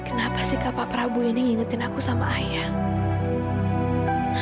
kenapa si kapal prabu ini ngingetin aku sama ayah